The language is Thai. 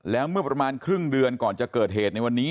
แล้วเมื่อประมาณครึ่งเดือนก่อนจะเกิดเหตุในวันนี้